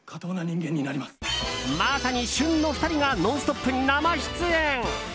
まさに旬の２人が「ノンストップ！」に生出演。